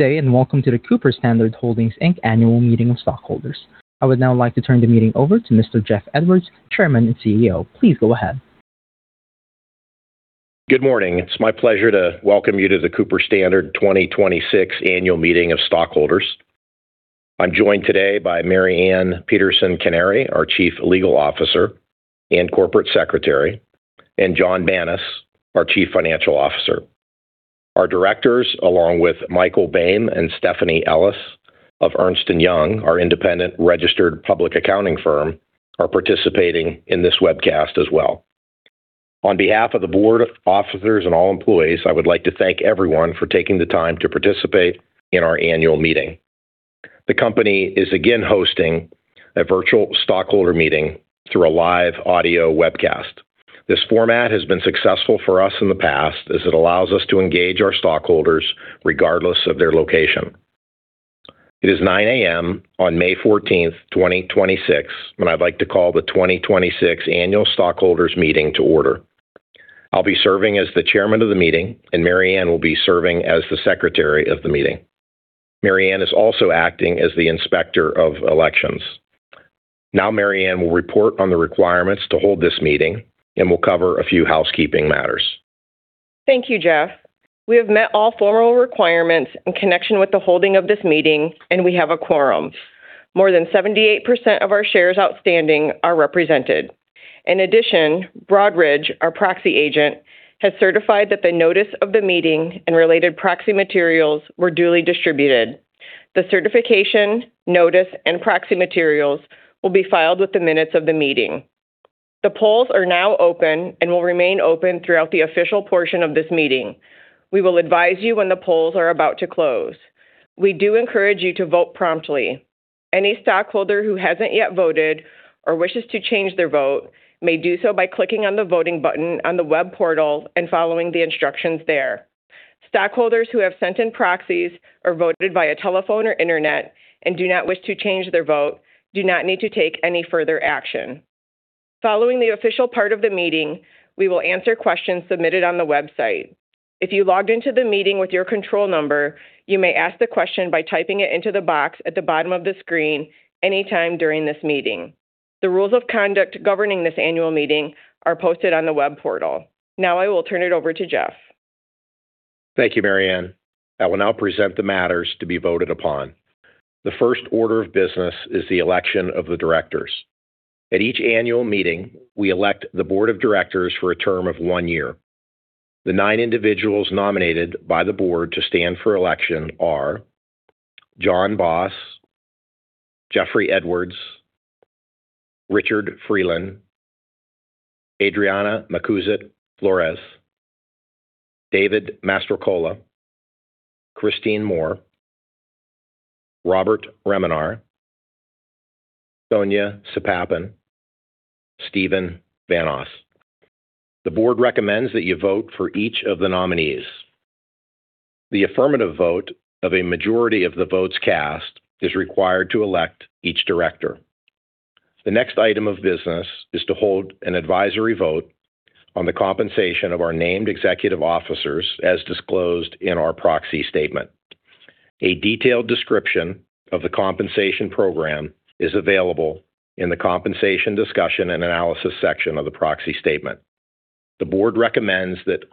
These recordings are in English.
Good day, and welcome to the Cooper-Standard Holdings, Inc Annual Meeting of Stockholders. I would now like to turn the meeting over to Mr. Jeff Edwards, Chairman and Chief Executive Officer. Please go ahead. Good morning. It's my pleasure to welcome you to the Cooper-Standard 2026 Annual Meeting of Stockholders. I'm joined today by MaryAnn Peterson Kanary, our Chief Legal Officer and Corporate Secretary, and Jon Banas, our Chief Financial Officer. Our directors, along with Michael Boehm and Stephanie Ellis of Ernst & Young, our independent registered public accounting firm, are participating in this webcast as well. On behalf of the board of officers and all employees, I would like to thank everyone for taking the time to participate in our annual meeting. The company is again hosting a virtual stockholder meeting through a live audio webcast. This format has been successful for us in the past as it allows us to engage our stockholders regardless of their location. It is 9:00 A.M. on May 14th, 2026, and I'd like to call the 2026 Annual Stockholders Meeting to order. I'll be serving as the chairman of the meeting. MaryAnn will be serving as the secretary of the meeting. MaryAnn is also acting as the inspector of elections. Now, MaryAnn will report on the requirements to hold this meeting and will cover a few housekeeping matters. Thank you, Jeff. We have met all formal requirements in connection with the holding of this meeting, and we have a quorum. More than 78% of our shares outstanding are represented. In addition, Broadridge, our proxy agent, has certified that the notice of the meeting and related proxy materials were duly distributed. The certification, notice, and proxy materials will be filed with the minutes of the meeting. The polls are now open and will remain open throughout the official portion of this meeting. We will advise you when the polls are about to close. We do encourage you to vote promptly. Any stockholder who hasn't yet voted or wishes to change their vote may do so by clicking on the voting button on the web portal and following the instructions there. Stockholders who have sent in proxies or voted via telephone or Internet and do not wish to change their vote do not need to take any further action. Following the official part of the meeting, we will answer questions submitted on the website. If you logged into the meeting with your control number, you may ask the question by typing it into the box at the bottom of the screen any time during this meeting. The rules of conduct governing this annual meeting are posted on the web portal. Now I will turn it over to Jeff. Thank you, MaryAnn. I will now present the matters to be voted upon. The first order of business is the election of the directors. At each annual meeting, we elect the board of directors for a term of one year. The nine individuals nominated by the board to stand for election are John Boss, Jeffrey Edwards, Richard Freeland, Adriana Macouzet-Flores, David Mastrocola, Christine Moore, Robert Remenar, Sonya Sepahban, Stephen Van Oss. The board recommends that you vote for each of the nominees. The affirmative vote of a majority of the votes cast is required to elect each director. The next item of business is to hold an advisory vote on the compensation of our named executive officers as disclosed in our proxy statement. A detailed description of the compensation program is available in the compensation discussion and analysis section of the proxy statement. The board recommends that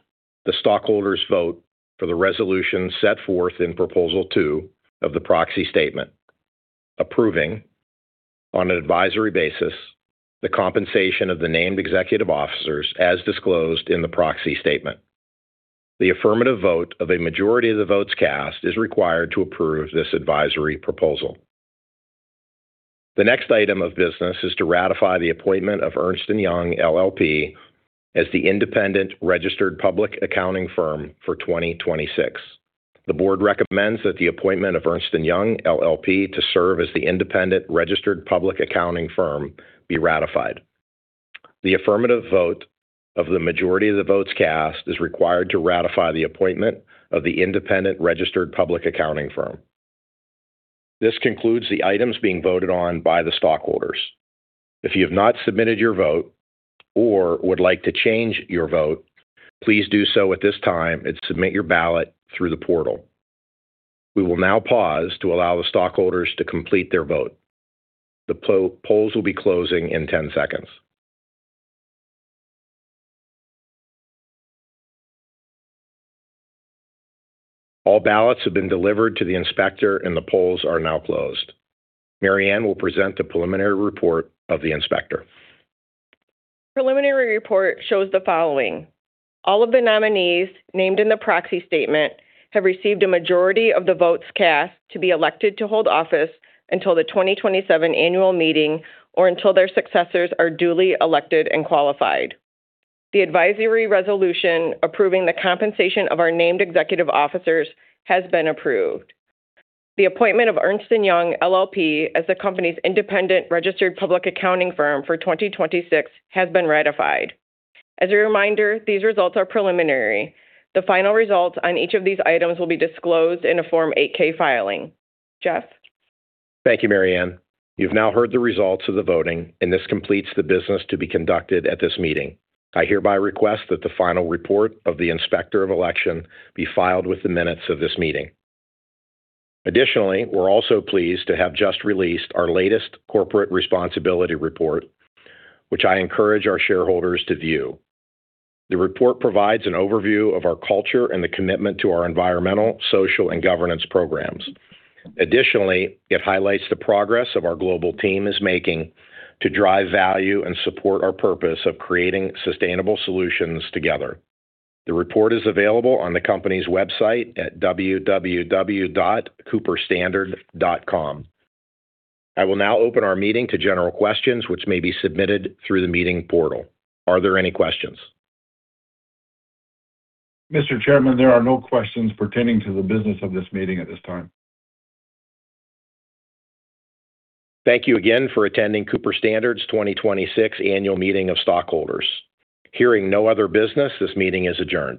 the stockholders vote for the resolution set forth in Proposal 2 of the proxy statement, approving on an advisory basis the compensation of the named executive officers as disclosed in the proxy statement. The affirmative vote of a majority of the votes cast is required to approve this advisory proposal. The next item of business is to ratify the appointment of Ernst & Young, LLP as the independent registered public accounting firm for 2026. The board recommends that the appointment of Ernst & Young, LLP to serve as the independent registered public accounting firm be ratified. The affirmative vote of the majority of the votes cast is required to ratify the appointment of the independent registered public accounting firm. This concludes the items being voted on by the stockholders. If you have not submitted your vote or would like to change your vote, please do so at this time and submit your ballot through the portal. We will now pause to allow the stockholders to complete their vote. The polls will be closing in 10 seconds. All ballots have been delivered to the inspector and the polls are now closed. MaryAnn will present the preliminary report of the inspector. Preliminary report shows the following: All of the nominees named in the proxy statement have received a majority of the votes cast to be elected to hold office until the 2027 annual meeting or until their successors are duly elected and qualified. The advisory resolution approving the compensation of our named executive officers has been approved. The appointment of Ernst & Young LLP as the company's independent registered public accounting firm for 2026 has been ratified. As a reminder, these results are preliminary. The final results on each of these items will be disclosed in a Form 8-K filing. Jeff? Thank you, MaryAnn. You've now heard the results of the voting, and this completes the business to be conducted at this meeting. I hereby request that the final report of the Inspector of Election be filed with the minutes of this meeting. Additionally, we're also pleased to have just released our latest corporate responsibility report, which I encourage our shareholders to view. The report provides an overview of our culture and the commitment to our environmental, social, and governance programs. Additionally, it highlights the progress of our global team is making to drive value and support our purpose of creating sustainable solutions together. The report is available on the company's website at www.cooperstandard.com. I will now open our meeting to general questions, which may be submitted through the meeting portal. Are there any questions? Mr. Chairman, there are no questions pertaining to the business of this meeting at this time. Thank you again for attending Cooper Standard's 2026 Annual Meeting of Stockholders. Hearing no other business, this meeting is adjourned.